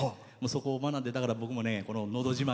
そこを学んでだから僕も「のど自慢」